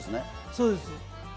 そうです。